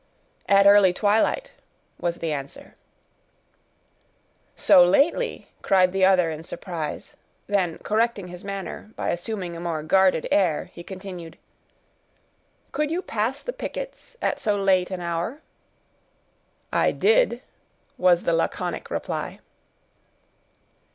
"At early twilight," was the answer. "So lately!" cried the other in surprise: then correcting his manner, by assuming a more guarded air, he continued, "Could you pass the pickets at so late an hour?" "I did," was the laconic reply.